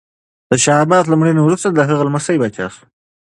د شاه عباس له مړینې وروسته د هغه لمسی پاچا شو.